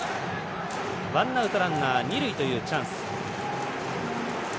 ワンアウト、ランナー、二塁というチャンス。